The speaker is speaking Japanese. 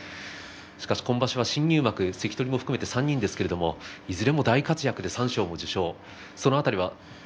しかし今場所は新入幕関取も含めて３人ですけどいずれも大活躍で三賞受賞